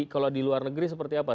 kalau di luar negeri seperti apa